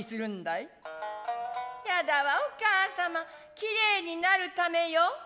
「いやだわお母様きれいになるためよ」。